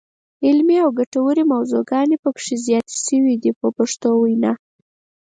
علمي او ګټورې موضوعګانې پکې زیاتې شوې دي په پښتو وینا.